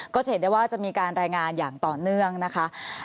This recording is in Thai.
ก็จะเห็นได้ว่าจะมีการรายงานอย่างต่อเนื่องนะคะ